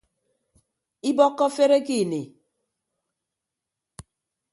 Ibọkkọ afere ke ini.